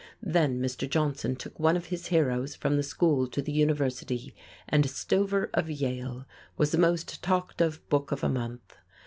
Then Mr. Johnson took one of his heroes from the school to the university, and "Stover of Yale" was the most talked of book of a month.